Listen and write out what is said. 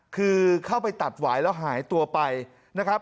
คือเข้าไปตัดหวายแล้วหายตัวไปนะครับ